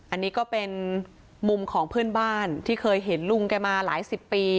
อันนี้ก็เป็นมุมของเพื่อนบ้านที่เคยเห็นลุงแกมาหลายสิบปี